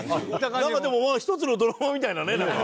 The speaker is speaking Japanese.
なんかでも一つのドラマみたいなねなんか。